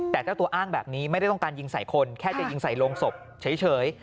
แต่เจ้าตัวอ้างแบบนี้ไม่ได้ต้องการยิงใส่คนแค่จะยิงใส่โรงศพเฉย